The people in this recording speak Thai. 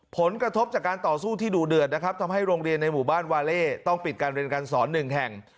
ผลกระทบจากการต่อสู้ที่ดูเดือดนะครับทำให้โรงเรียนในหมู่บ้านวาเล่ต้องปิดการเรียนการสอนหนึ่งแห่ง